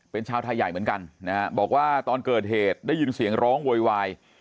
เป็นชาวไทยใหญ่เหมือนกันนะฮะบอกว่าตอนเกิดเหตุได้ยินเสียงร้องโวยวาย